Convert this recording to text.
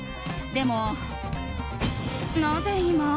でも、なぜ今？